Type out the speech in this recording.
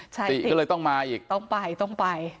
ใช่ติก็เลยต้องมาอีกต้องไปต้องไป